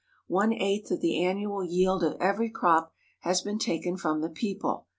One eighth of the annual yield of every crop has been taken from the people.